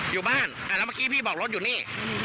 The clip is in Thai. อยู่บ้านแล้วเมื่อกี้พี่บอกรถอยู่นี่